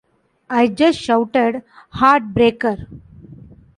I just shouted, 'Heartbreaker!